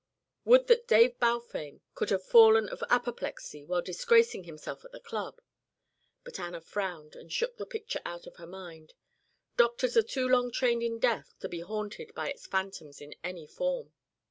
Would that Dave Balfame could have fallen of apoplexy while disgracing himself at the Club! But Anna frowned and shook the picture out of her mind. Doctors are too long trained in death to be haunted by its phantoms in any form.